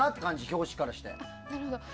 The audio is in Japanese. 表紙からして。